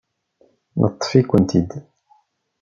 Neṭṭef-ikent-id.